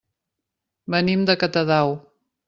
Venim de Catadau.